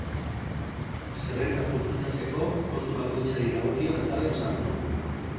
Zerrendak kontsultatzeko, postu bakoitzari dagokion atalean sartu.